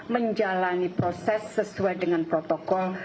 menjalani proses sesuai dengan protokol